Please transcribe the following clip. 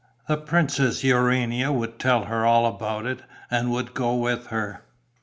The Princess Urania would tell her all about it and would go with her.